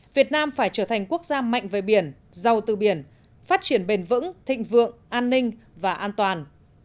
việt nam phải trở thành quốc gia mạnh về biển giàu từ biển phát triển bền vững thịnh vượng an ninh và an toàn